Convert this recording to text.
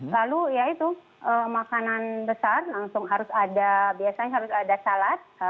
lalu ya itu makanan besar langsung harus ada biasanya harus ada salad